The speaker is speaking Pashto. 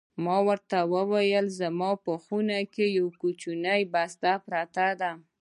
ما ورته وویل: زما په خونه کې یوه کوچنۍ بسته پرته ده.